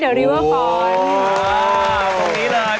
อ๋อตรงนี้เลย